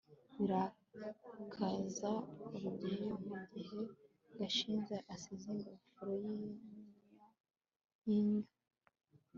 birakaza rugeyo mugihe gashinzi asize ingofero yinyo yinyo